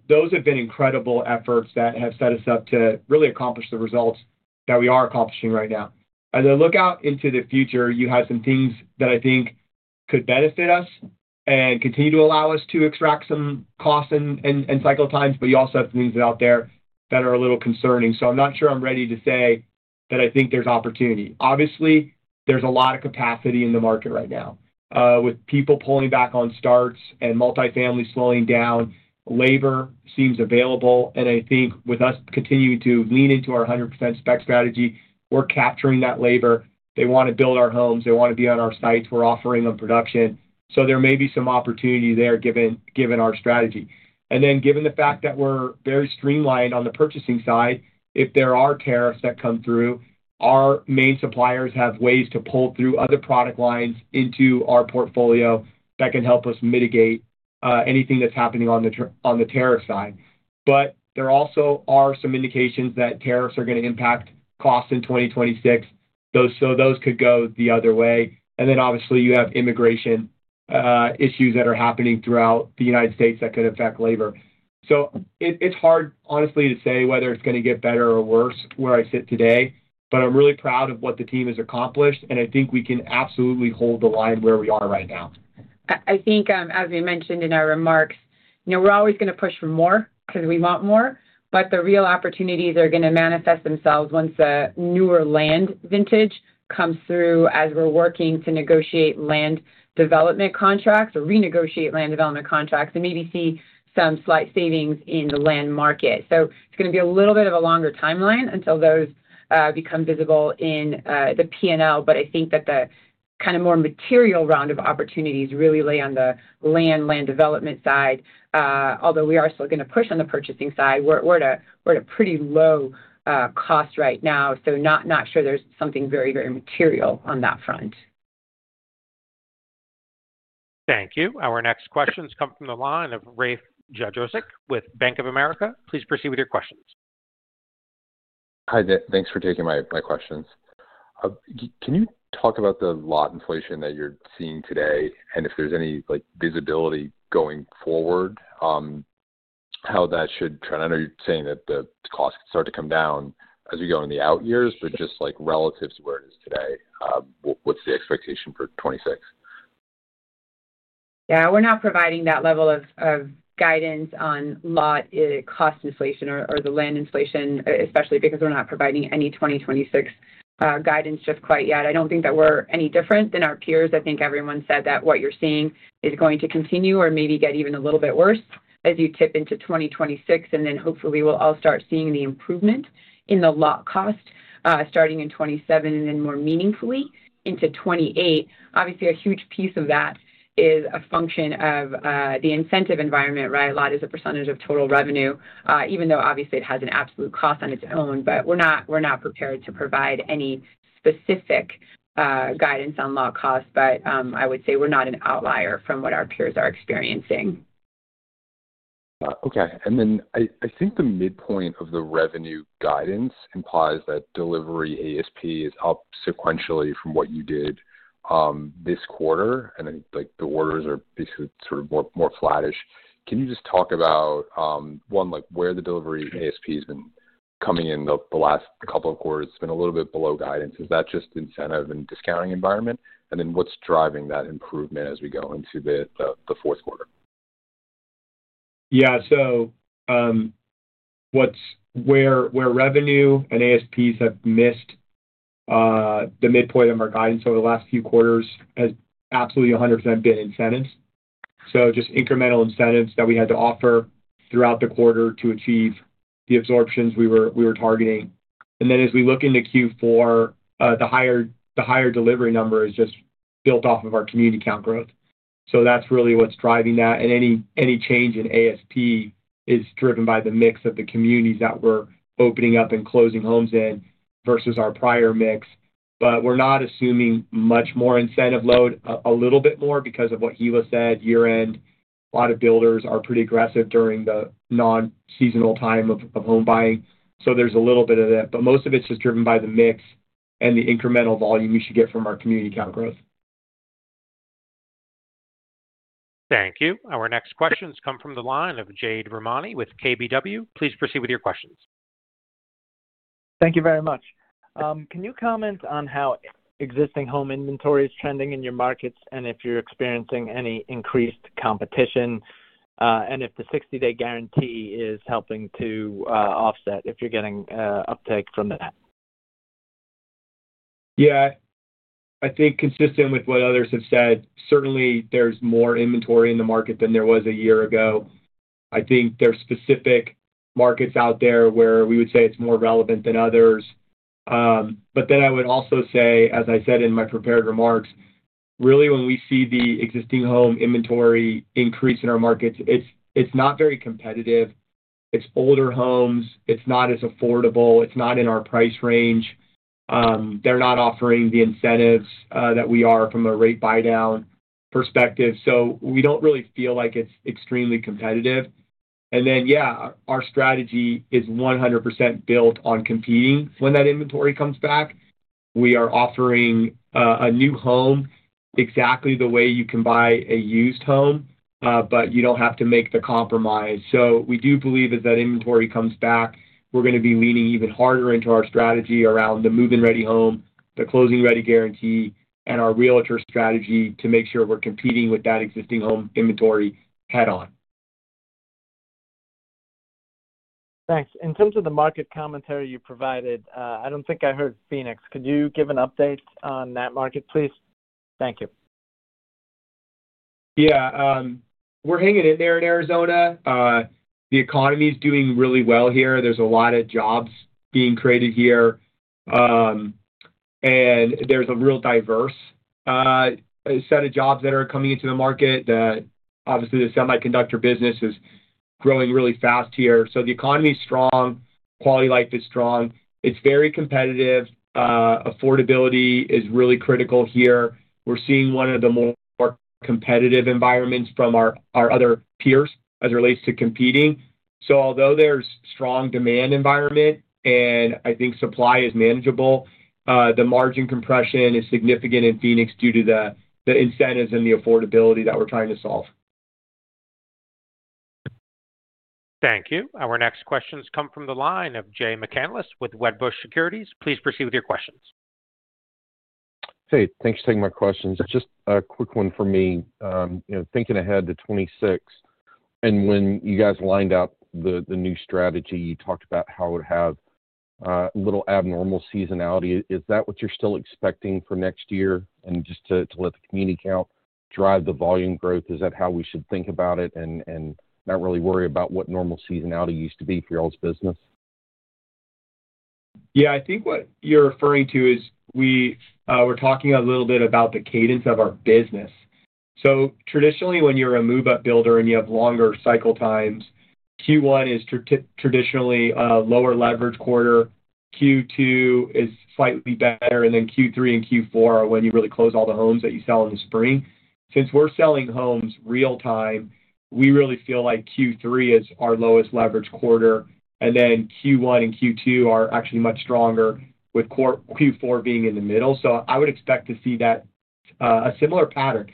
Those have been incredible efforts that have set us up to really accomplish the results that we are accomplishing right now. As I look out into the future, you have some things that I think could benefit us and continue to allow us to extract some costs and cycle times, but you also have some things out there that are a little concerning. I'm not sure I'm ready to say that I think there's opportunity. Obviously, there's a lot of capacity in the market right now. With people pulling back on starts and multifamily slowing down, labor seems available. I think with us continuing to lean into our 100% spec strategy, we're capturing that labor. They want to build our homes. They want to be on our sites. We're offering them production. There may be some opportunity there given our strategy. Given the fact that we're very streamlined on the purchasing side, if there are tariffs that come through, our main suppliers have ways to pull through other product lines into our portfolio that can help us mitigate anything that's happening on the tariff side. There also are some indications that tariffs are going to impact costs in 2026. Those could go the other way. Obviously, you have immigration issues that are happening throughout the United States that could affect labor. It's hard, honestly, to say whether it's going to get better or worse where I sit today, but I'm really proud of what the team has accomplished. I think we can absolutely hold the line where we are right now. I think, as we mentioned in our remarks, you know, we're always going to push for more because we want more. The real opportunities are going to manifest themselves once the newer land vintage comes through as we're working to negotiate land development contracts or renegotiate land development contracts and maybe see some slight savings in the land market. It's going to be a little bit of a longer timeline until those become visible in the P&L. I think that the kind of more material round of opportunities really lay on the land development side. Although we are still going to push on the purchasing side, we're at a pretty low cost right now. Not sure there's something very, very material on that front. Thank you. Our next questions come from the line of Rafe Jadrosich with Bank of America. Please proceed with your questions. Hi. Thanks for taking my questions. Can you talk about the lot inflation that you're seeing today and if there's any visibility going forward on how that should trend? I know you're saying that the costs could start to come down as we go in the out years, but just like relative to where it is today, what's the expectation for 2026? Yeah, we're not providing that level of guidance on lot cost inflation or the land inflation, especially because we're not providing any 2026 guidance just quite yet. I don't think that we're any different than our peers. I think everyone said that what you're seeing is going to continue or maybe get even a little bit worse as you tip into 2026. Hopefully, we'll all start seeing the improvement in the lot cost starting in 2027 and then more meaningfully into 2028. Obviously, a huge piece of that is a function of the incentive environment, right? A lot is a percentage of total revenue, even though obviously it has an absolute cost on its own. We're not prepared to provide any specific guidance on lot costs. I would say we're not an outlier from what our peers are experiencing. Okay. I think the midpoint of the revenue guidance and that delivery ASP is up sequentially from what you did this quarter. I think the orders are basically sort of more flattish. Can you just talk about, one, where the delivery ASP has been coming in the last couple of quarters? It's been a little bit below guidance. Is that just incentive and discounting environment? What's driving that improvement as we go into the fourth quarter? Yeah. Where revenue and ASPs have missed the midpoint of our guidance over the last few quarters has absolutely 100% been incentives. Just incremental incentives that we had to offer throughout the quarter to achieve the absorptions we were targeting. As we look into Q4, the higher delivery number is just built off of our community count growth. That's really what's driving that. Any change in ASP is driven by the mix of the communities that we're opening up and closing homes in versus our prior mix. We're not assuming much more incentive load, a little bit more because of what Hilla said, year-end. A lot of builders are pretty aggressive during the non-seasonal time of home buying. There's a little bit of that. Most of it's just driven by the mix and the incremental volume we should get from our community count growth. Thank you. Our next questions come from the line of Jade Rahmani with KBW. Please proceed with your questions. Thank you very much. Can you comment on how existing home inventory is trending in your markets, and if you're experiencing any increased competition, and if the 60-day guarantee is helping to offset if you're getting uptake from that? Yeah. I think consistent with what others have said, certainly there's more inventory in the market than there was a year ago. I think there are specific markets out there where we would say it's more relevant than others. I would also say, as I said in my prepared remarks, really when we see the existing home inventory increase in our markets, it's not very competitive. It's older homes. It's not as affordable. It's not in our price range. They're not offering the incentives that we are from a rate buy-down perspective. We don't really feel like it's extremely competitive. Our strategy is 100% built on competing when that inventory comes back. We are offering a new home exactly the way you can buy a used home, but you don't have to make the compromise. We do believe as that inventory comes back, we're going to be leaning even harder into our strategy around the move-in-ready home, the closing-ready guarantee, and our realtor strategy to make sure we're competing with that existing home inventory head-on. Thanks. In terms of the market commentary you provided, I don't think I heard Phoenix. Could you give an update on that market, please? Thank you. Yeah. We're hanging in there in Arizona. The economy is doing really well here. There's a lot of jobs being created here. There's a real diverse set of jobs that are coming into the market. Obviously, the semiconductor business is growing really fast here. The economy is strong. Quality of life is strong. It's very competitive. Affordability is really critical here. We're seeing one of the more competitive environments from our other peers as it relates to competing. Although there's a strong demand environment and I think supply is manageable, the margin compression is significant in Phoenix due to the incentives and the affordability that we're trying to solve. Thank you. Our next questions come from the line of Jay McCanless with Wedbush Securities. Please proceed with your questions. Hey, thanks for taking my questions. Just a quick one for me. You know, thinking ahead to 2026, and when you guys lined up the new strategy, you talked about how it would have a little abnormal seasonality. Is that what you're still expecting for next year? Just to let the community count drive the volume growth, is that how we should think about it and not really worry about what normal seasonality used to be for y'all's business? Yeah, I think what you're referring to is we were talking a little bit about the cadence of our business. Traditionally, when you're a move-up builder and you have longer cycle times, Q1 is traditionally a lower leverage quarter. Q2 is slightly better, and then Q3 and Q4 are when you really close all the homes that you sell in the spring. Since we're selling homes real-time, we really feel like Q3 is our lowest leverage quarter, and then Q1 and Q2 are actually much stronger, with Q4 being in the middle. I would expect to see a similar pattern.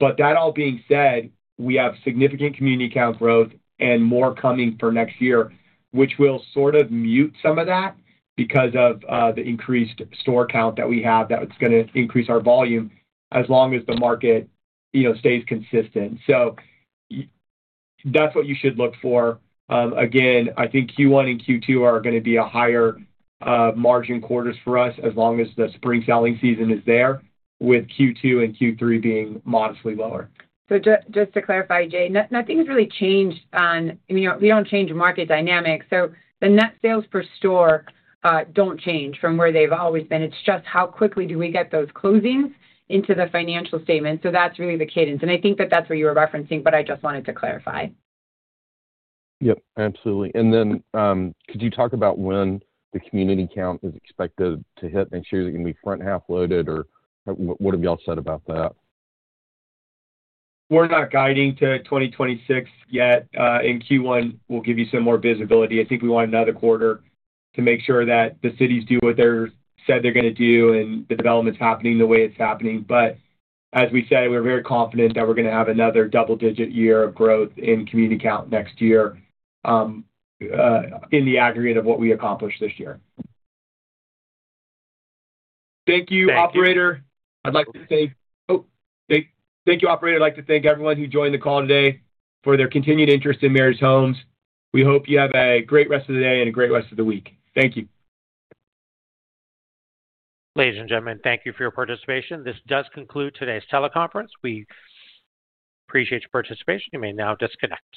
That all being said, we have significant community count growth and more coming for next year, which will sort of mute some of that because of the increased store count that we have that's going to increase our volume as long as the market, you know, stays consistent. That's what you should look for. Again, I think Q1 and Q2 are going to be higher margin quarters for us as long as the spring selling season is there, with Q2 and Q3 being modestly lower. Just to clarify, Jay, nothing's really changed on, you know, we don't change market dynamics. The net sales per store don't change from where they've always been. It's just how quickly do we get those closings into the financial statements. That's really the cadence. I think that's what you were referencing, but I just wanted to clarify. Absolutely. Could you talk about when the community count is expected to hit next year? Is it going to be front half loaded or what have y'all said about that? We're not guiding to 2026 yet. In Q1, we'll give you some more visibility. I think we want another quarter to make sure that the cities do what they said they're going to do and the development's happening the way it's happening. As we said, we're very confident that we're going to have another double-digit year of growth in community count next year, in the aggregate of what we accomplished this year. Thank you, Operator. I'd like to thank everyone who joined the call today for their continued interest in Meritage Homes. We hope you have a great rest of the day and a great rest of the week. Thank you. Ladies and gentlemen, thank you for your participation. This does conclude today's teleconference. We appreciate your participation. You may now disconnect.